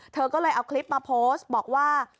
เธอก็เลยเอาคลิปมาโพสต์บอกว่า